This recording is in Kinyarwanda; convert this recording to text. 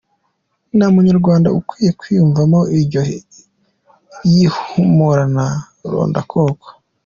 Nta munyarwanda ukwiye kwiyumvamo iryo yihimurana rondakoko.